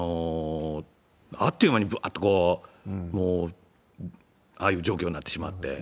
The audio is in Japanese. あっという間にぶわーっとこう、ああいう状況になってしまって。